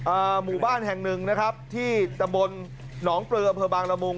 อ่าหมู่บ้านแห่งนึงนะครับที่ตำบลหนองเปลือเผอบางระมุง